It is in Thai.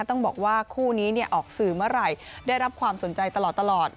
ต้องบอกว่าคู่นี้ออกสื่อเมื่อไหร่ได้รับความสนใจตลอด